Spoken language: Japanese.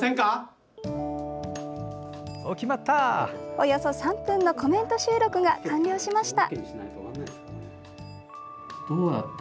およそ３分のコメント収録が完了しました。